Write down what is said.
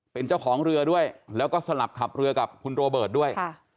เป็นเจ้าของเรือด้วยแล้วก็สลับขับเรือกับคุณโรเบิร์ตด้วย